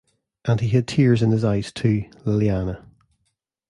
And he had tears in his eyes too, Liliana.